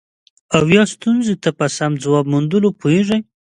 او یا ستونزې ته په سم ځواب موندلو پوهیږي.